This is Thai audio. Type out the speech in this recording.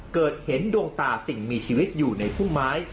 เกิดเห็นดวงตาสิ่งมีชีวิตอยู่ในพุ่มไม้